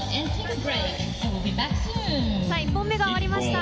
１本目が終わりました。